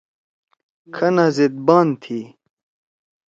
کھنا زید بان تھی۔